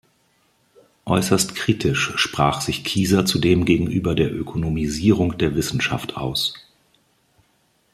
Äußerst kritisch sprach sich Kieser zudem gegenüber der Ökonomisierung der Wissenschaft aus.